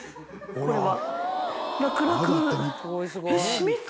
これは。